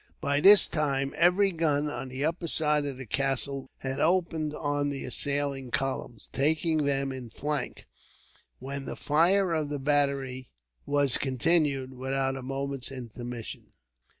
By this time, every gun on the upper side of the castle had opened on the assailing columns, taking them in flank, while the fire of the battery was continued without a moment's intermission.